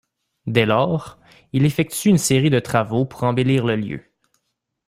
Dès lors, il effectue une série de travaux pour embellir le lieu.